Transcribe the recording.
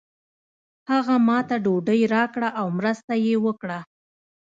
هغه ماته ډوډۍ راکړه او مرسته یې وکړه.